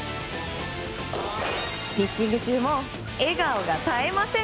ピッチング中も笑顔が絶えません。